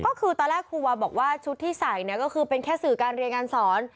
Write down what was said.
ก็คือตอนแรกครูวาบอกว่าชุดที่ใส่เนี่ยก็คือเป็นแค่สื่อการเรียนการสอน